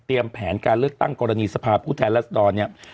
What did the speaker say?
แผนการเลือกตั้งกรณีสภาพผู้แทนรัศดรเนี่ย